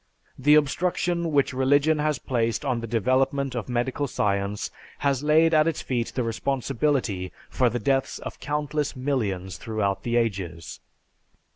The obstruction which religion has placed on the development of medical science has laid at its feet the responsibility for the deaths of countless millions throughout the ages.